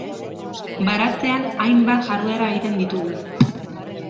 Baratzean hainbat jarduera egiten ditugu.